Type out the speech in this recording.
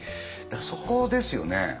そこですよね。